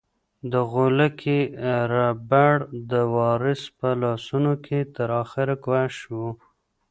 د غولکې ربړ د وارث په لاسونو کې تر اخره کش شو.